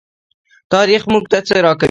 تاریخ موږ ته څه راکوي؟